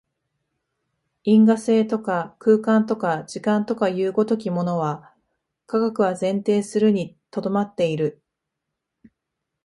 因果性とか空間とか時間とかという如きものは、科学は前提するに留まっている。